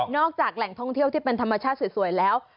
จากแหล่งท่องเที่ยวที่เป็นธรรมชาติสวยแล้ว